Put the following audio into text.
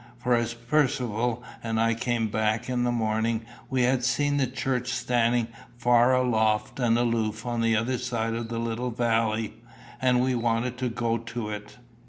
For as Percivale and I came back in the morning we had seen the church standing far aloft and aloof on the other side of the little valley, and we wanted to go to it.